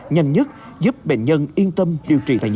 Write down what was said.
nhanh nhất giúp bệnh nhân yên tâm điều trị tại nhà